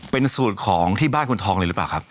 เป็นสูตรของที่บ้านคุณทองเลยหรือเปล่าครับ